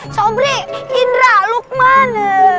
sobri indra lukman